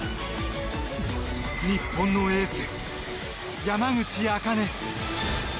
日本のエース、山口茜。